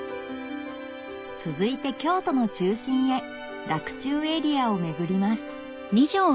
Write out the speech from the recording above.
続いて京都の中心へ洛中エリアを巡ります